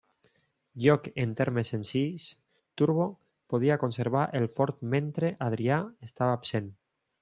Lloc en termes senzills, Turbo podia conservar el fort mentre Adrià estava absent.